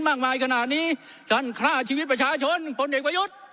มากมายขนาดนี้ท่านฆ่าชีวิตประชาชนพลเอกประยุทธ์